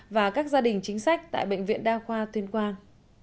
và các gia đình chính sách tại bệnh viện đa khoa tuyên quang